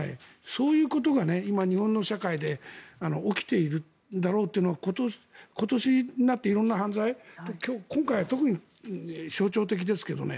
そういうことが今、日本の社会で起きているんだろうということが今年になって色んな犯罪今回は特に象徴的ですけどね。